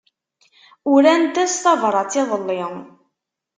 Urant-as tabrat iḍelli.